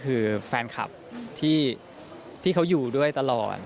คือแฟนคลับที่เขาอยู่ด้วยตลอด